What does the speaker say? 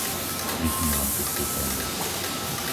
Vypni lampu v kúpeľni.